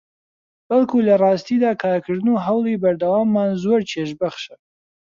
بەڵکو لەڕاستیدا کارکردن و هەوڵی بەردەواممان زۆر چێژبەخشە